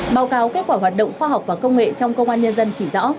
báo cáo kết quả hoạt động khoa học và công nghệ trong công an nhân dân chỉ rõ